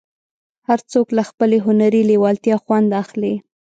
هر څوک له خپلې هنري لېوالتیا خوند اخلي.